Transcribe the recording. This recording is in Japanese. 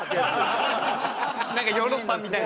なんかヨーロッパみたいな。